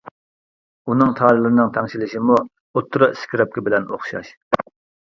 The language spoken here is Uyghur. ئۇنىڭ تارلىرىنىڭ تەڭشىلىشىمۇ ئوتتۇرا ئىسكىرىپكا بىلەن ئوخشاش.